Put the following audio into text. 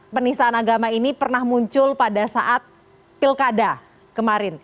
penistaan agama ini pernah muncul pada saat pilkada kemarin